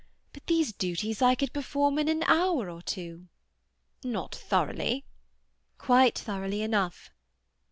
But these duties I could perform in an hour or two." "Not thoroughly." "Quite thoroughly enough."